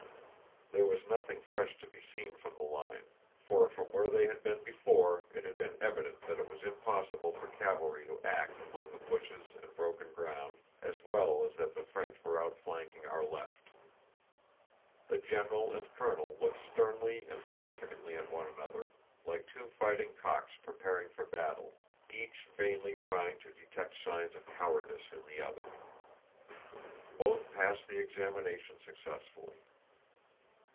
There was nothing fresh to be seen from the line, for from where they had been before it had been evident that it was impossible for cavalry to act among the bushes and broken ground, as well as that the French were outflanking our left. The general and colonel looked sternly and significantly at one another like two fighting cocks preparing for battle, each vainly trying to detect signs of cowardice in the other. Both passed the examination successfully.